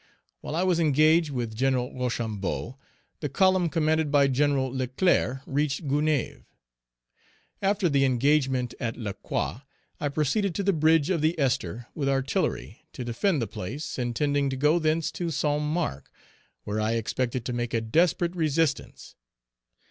While I was engaged with Gen. Rochambeau, the column commanded by Gen. Leclerc reached Gonaïves. After the engagement at La Croix, I proceeded to the bridge of the Ester, with artillery, to defend the place, intending to go thence to St. Marc, where I expected to make a desperate resistance.